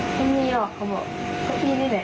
ไม่มีหรอกเขาบอกทีนี้แดด